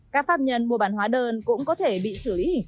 các pháp nhân mua bán hóa đơn cũng có thể bị xử lý hình sự